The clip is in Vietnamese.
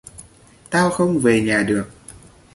Tao không về nhà được